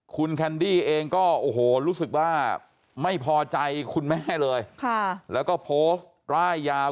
คุณแคนดี้เองก็โอ้โหรู้สึกว่าไม่พอใจคุณแม่เลยแล้วก็โพสต์ร่ายยาว